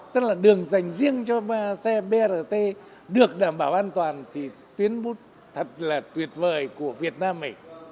tức là đường dành riêng cho xe brt được đảm bảo an toàn thì tuyến bút thật là tuyệt vời của việt nam này